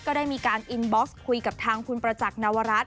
ก็ได้มีการอินบ็อกซ์คุยกับทางคุณประจักษ์นวรัฐ